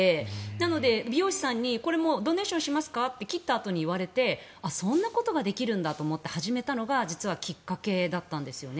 なので、美容師さんにこれ、ドネーションしますか？と切ったあとに言われてそんなことができるんだと始めたのが実はきっかけだったんです。